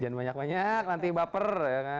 jangan banyak banyak nanti baper